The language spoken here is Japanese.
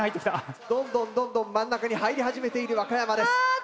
どんどんどんどん真ん中に入り始めている和歌山です。